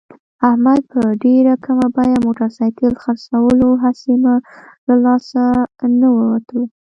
احمد په ډېره کمه بیه موټرسایکل خرڅولو، هسې مه له لاس نه ووتلو.